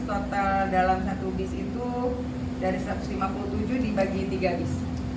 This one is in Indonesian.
total dalam satu bis itu dari satu ratus lima puluh tujuh dibagi tiga bis